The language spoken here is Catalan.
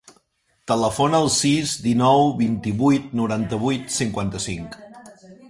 Telefona al sis, dinou, vint-i-vuit, noranta-vuit, cinquanta-cinc.